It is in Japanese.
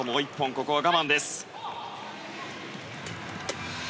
ここは我慢です。